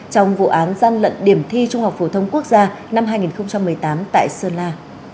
trong vụ án gian lận điểm thi trung học phổ thông quốc gia năm hai nghìn một mươi tám tại sơn la